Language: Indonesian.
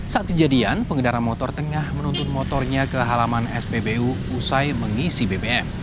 saat kejadian pengendara motor tengah menuntun motornya ke halaman spbu usai mengisi bbm